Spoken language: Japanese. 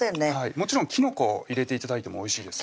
もちろんきのこを入れて頂いてもおいしいですよ